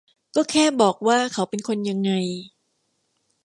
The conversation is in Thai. ก็แค่บอกว่าเขาเป็นคนยังไง